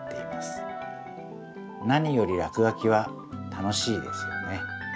何よりらくがきは楽しいですよね。